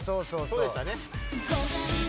そうでしたね。